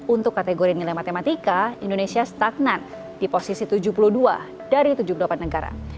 untuk kategori nilai matematika indonesia stagnan di posisi tujuh puluh dua dari tujuh puluh delapan negara